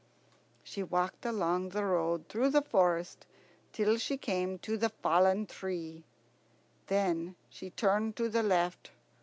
She walked along the road through the forest till she came to the fallen tree. Then she turned to the left.